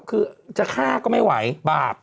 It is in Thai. คือจะฆ่าก็ไม่ไหวบาป